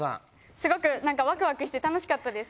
すごくワクワクして楽しかったです。